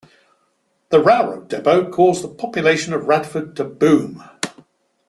The Railroad Depot caused the population of Radford to boom.